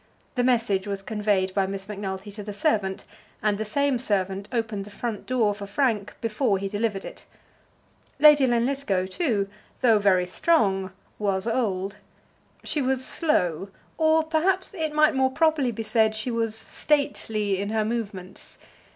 The message was conveyed by Miss Macnulty to the servant, and the same servant opened the front door for Frank before he delivered it. Lady Linlithgow, too, though very strong, was old. She was slow, or perhaps it might more properly be said she was stately in her movements.